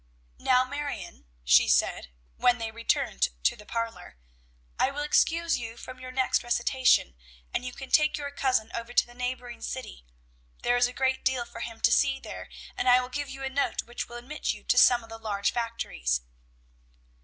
"Now, Marion," she said, when they returned to the parlor, "I will excuse you from your next recitation, and you can take your cousin over to the neighboring city. There is a great deal for him to see there, and I will give you a note which will admit you to some of the large factories.